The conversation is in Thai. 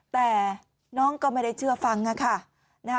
แต่น้องก็ไม่ได้เชื่อฟังค่ะ